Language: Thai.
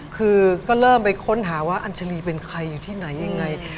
คือก็เริ่มไปค้นหาว่าอัญชาลีเป็นใครอยู่ที่ไหนยังไง